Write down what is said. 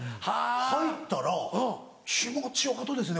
入ったら気持ちよかとですね